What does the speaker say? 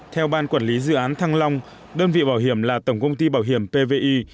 theo ban quản lý dự án thăng long đơn vị bảo hiểm là tổng công ty bảo hiểm pvi